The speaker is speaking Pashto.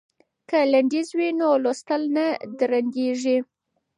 که لنډیز وي نو لوستل نه درندیږي.